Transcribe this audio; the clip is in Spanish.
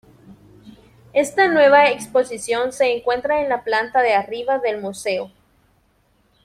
Esta nueva exposición se encuentra en la planta de arriba del museo.